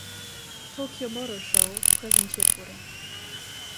Tokyo Motor Show präsentiert wurde.